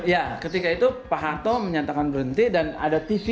ya ketika itu pak harto menyatakan berhenti dan ada tv